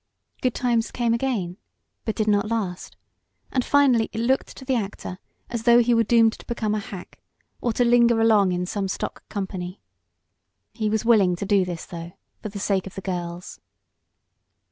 Good times came again, but did not last, and finally it looked to the actor as though he were doomed to become a "hack," or to linger along in some stock company. He was willing to do this, though, for the sake of the girls.